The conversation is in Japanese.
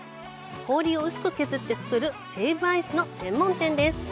氷を薄く削って作るシェイブアイスの専門店です。